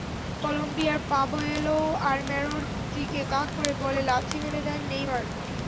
কলম্বিয়ার পাবলো আরমেরোর দিকে তাক করে বলে লাথি মেরে দেন নেইমার।